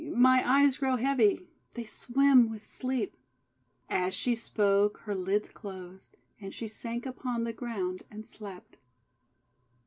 my eyes grow heavy. They swim with sleep." As she spoke, her lids closed, and she sank upon the ground and slept.